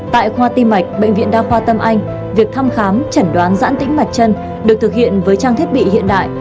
tại khoa ti mạch bệnh viện đa khoa tâm anh việc thăm khám chẩn đoán giãn tính mạch chân được thực hiện với trang thiết bị hiện đại